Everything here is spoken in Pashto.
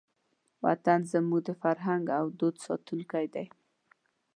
وطن زموږ د فرهنګ او دود ساتونکی دی.